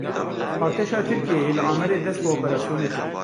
Artêşa Tirkiyeyê li Amedê dest bi operasyonê kir.